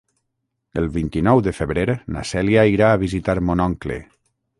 El vint-i-nou de febrer na Cèlia irà a visitar mon oncle.